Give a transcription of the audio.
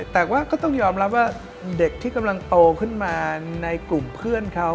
แต่ว่าก็ต้องยอมรับว่าเด็กที่กำลังโตขึ้นมาในกลุ่มเพื่อนเขา